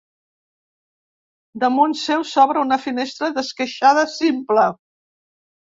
Damunt seu s'obre una finestra d'esqueixada simple.